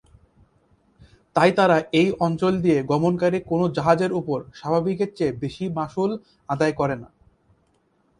তাই তারা এই অঞ্চল দিয়ে গমনকারী কোন জাহাজের উপর স্বাভাবিকের চেয়ে বেশি মাশুল আদায় করে না।